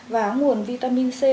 và nguồn vitamin c